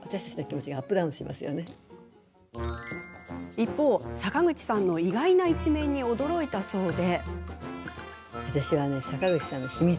一方、坂口さんの意外な一面に驚いたそうで。